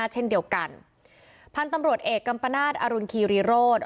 เช่นเดียวกันพันธุ์ตำรวจเอกกัมปนาศอรุณคีรีโรธ